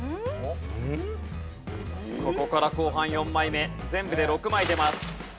ここから後半４枚目全部で６枚出ます。